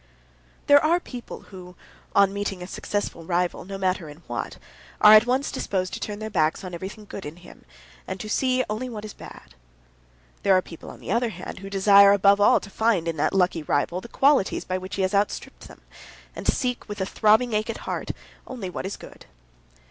There are people who, on meeting a successful rival, no matter in what, are at once disposed to turn their backs on everything good in him, and to see only what is bad. There are people, on the other hand, who desire above all to find in that lucky rival the qualities by which he has outstripped them, and seek with a throbbing ache at heart only what is good.